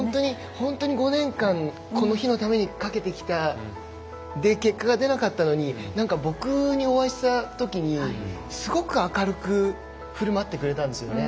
本当に５年間この日のためにかけてきたで、結果が出なかったのに僕にお会いしたときにすごく明るく振る舞ってくれたんですよね。